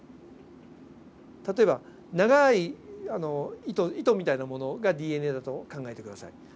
例えば長い糸みたいなものがＤＮＡだと考えて下さい。